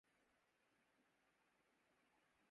پھر صبح ہوگئی